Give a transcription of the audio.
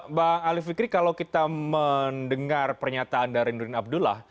mbak ali fikri kalau kita mendengar pernyataan dari nurdin abdullah